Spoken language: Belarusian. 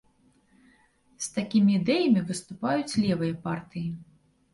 З такімі ідэямі выступаюць левыя партыі.